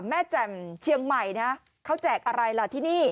แม่แจ่มเวสเชียงใหม่นะเขาแจกอะไรแหละตัวนี้